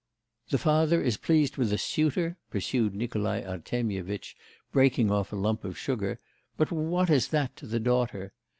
'The father is pleased with a suitor,' pursued Nikolai Artemyevitch, breaking off a lump of sugar; 'but what is that to the daughter!